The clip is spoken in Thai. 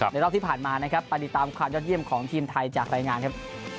รอบที่ผ่านมานะครับไปติดตามความยอดเยี่ยมของทีมไทยจากรายงานครับ